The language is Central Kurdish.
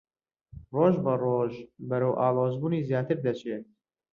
ڕۆژبەڕۆژ بەرەو ئاڵۆزبوونی زیاتر دەچێ